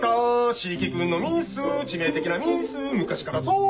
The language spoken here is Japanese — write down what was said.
椎木君のミス致命的なミス昔からそう！